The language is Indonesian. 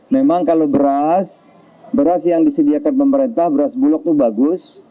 memang kalau beras beras yang disediakan pemerintah beras bulog itu bagus